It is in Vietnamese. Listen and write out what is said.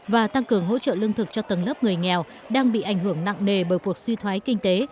và tăng cường hỗ trợ lương thực cho tầng lớp người nghèo đang bị ảnh hưởng nặng nề bởi cuộc suy thoái kinh tế